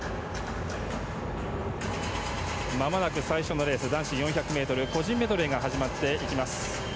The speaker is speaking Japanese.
まもなく最初のレース男子４００ｍ個人メドレーが始まっていきます。